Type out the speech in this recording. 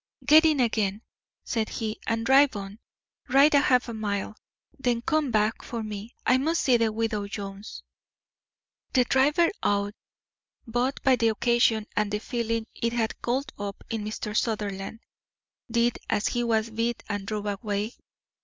"Get in again," said he, "and drive on. Ride a half mile, then come back for me. I must see the widow Jones." The driver, awed both by the occasion and the feeling it had called up in Mr. Sutherland, did as he was bid and drove away.